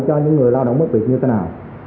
cho những người lao động bất biệt như thế nào